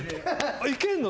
いけんの？